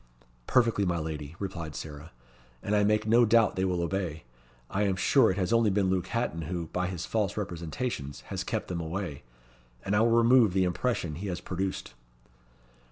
"Perfectly, my lady," replied Sarah, "and I make no doubt they will obey. I am sure it has only been Luke Hatton who, by his false representations, has kept them away, and I will remove the impression he has produced."